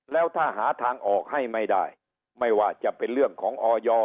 แล้วถ้าหาทางออกให้ไม่ได้ไม่ว่าจะเป็นเรื่องของออย